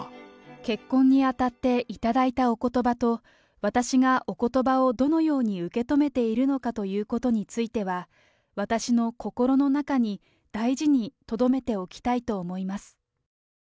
結婚にあたって、頂いたおことばと、私がおことばをどのように受け止めているのかということについては、私の心の中に大事にとどめておきたいと思います。